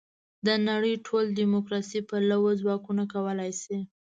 د نړۍ ټول دیموکراسي پلوه ځواکونه کولای شي.